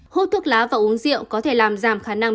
hút thuốc lá và uống rượu có thể làm giảm khả năng